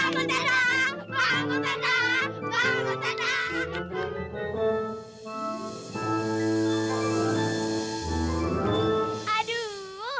bangun tandanya bangun tandanya bangun tandanya bangun tandanya